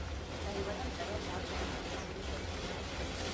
დაიბადა მწერალ დავით ნახუცრიშვილის ოჯახში.